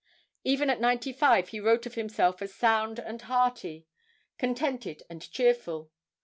Even at ninety five he wrote of himself as "sound and hearty, contented and cheerful."